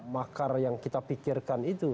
makar yang kita pikirkan itu